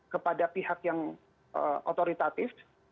kepada pihak yang otoritatif